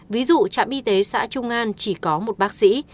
ví dụ trạm y tế xã trung an chỉ có một bác sĩ